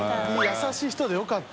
優しい人でよかった。